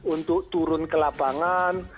untuk turun ke lapangan